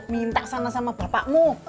minta sana sama bapakmu